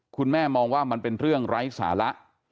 คุณแม่มองว่ามันเป็นเรื่องไร้สาระ